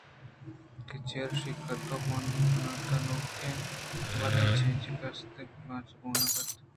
کہ چرایشیءَ کُدوہ ءَ بُن کُت ءُ آئی ءِ نوک بالیں چِیپُک سُتک ءُ کلائینچ بُوہان ءَ بُن ءَ کپتنت